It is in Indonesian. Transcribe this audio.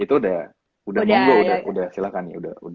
udah munggo udah silahkan nih